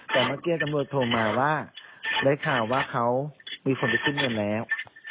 แต่เมื่อกี้ตำรวจโทรมาว่าได้ข่าวว่าเขามีคนไปขึ้นเงินแล้ว